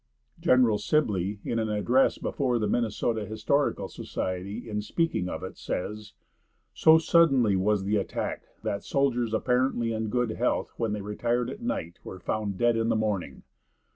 General Sibley, in an address before the Minnesota Historical Society, in speaking of it, says: "So sudden was the attack that soldiers apparently in good health when they retired at night were found dead in the morning.